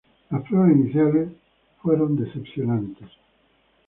Las pruebas iniciales fueron decepcionantes.